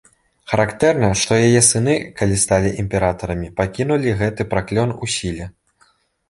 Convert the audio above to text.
Характэрна, што яе сыны, калі сталі імператарамі, пакінулі гэты праклён у сіле.